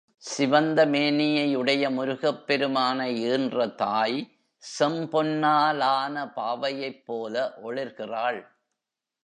சிவந்த மேனியை உடைய முருகப் பெருமானை ஈன்ற தாய், செம்பொன்னாலான பாவையைப் போல ஒளிர்கிறாள்.